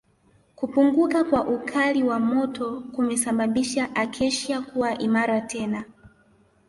Kupunguka kwa ukali wa moto kumesababisha Acacia kuwa imara tena